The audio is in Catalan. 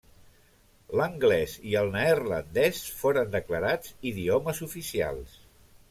L'anglès i el neerlandès foren declarats idiomes oficials.